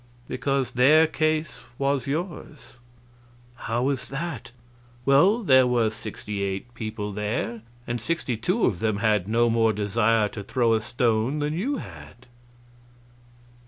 "Because their case was yours." "How is that?" "Well, there were sixty eight people there, and sixty two of them had no more desire to throw a stone than you had."